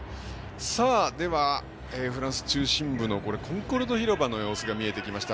では、フランス中心部のコンコルド広場の様子が見えてきました。